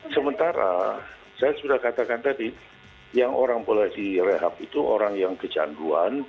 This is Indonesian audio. sementara saya sudah katakan tadi yang orang boleh direhab itu orang yang kecanduan